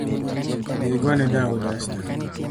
Dhi igone dau dasta